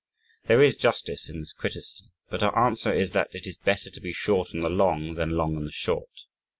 There is justice in this criticism, but our answer is that it is better to be short on the long than long on the short.